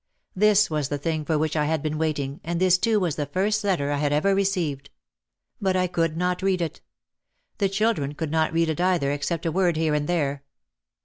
This was the thing for which I had been waiting and this too was the first letter I had ever received. But I could not read it. The children could not read it either except a word here and there.